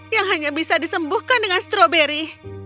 yang hanya bisa disembuhkan dengan stroberi